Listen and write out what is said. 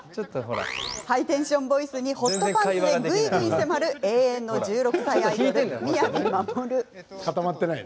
ハイテンションボイスにホットパンツでぐいぐい迫る永遠の１６歳アイドル、雅マモル。